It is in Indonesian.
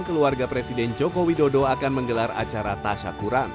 keluarga presiden joko widodo akan menggelar acara tasya kuran